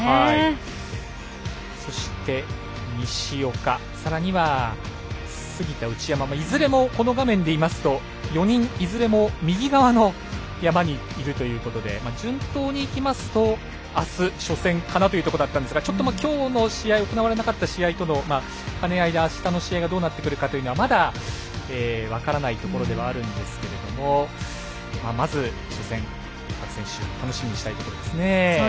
そして西岡、さらには杉田、内山いずれもこの画面で言いますと４人いずれも右側の山にいるということで順当にいきますと、あす初戦かなというところだったんですがきょうの試合、行われなかった試合の兼ね合いであしたの試合がどうなってくるかというのはまだ分からないところではあるんですけれどもまず初戦、各選手楽しみにしたいところですね。